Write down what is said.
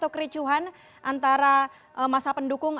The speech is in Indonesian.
kecuhan antara masa pendukung